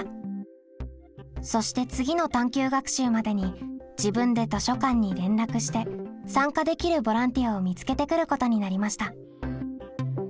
そして次の探究学習までに自分で図書館に連絡して参加できるボランティアを見つけてくることになりました。